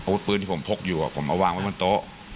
ปืนที่ผมพกอยู่ผมมาวางไว้บนโต๊ะ